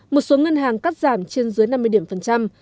một số ngân hàng cắt giảm trên dưới năm mươi điểm phần trăm